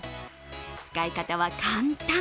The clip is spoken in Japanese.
使い方は簡単。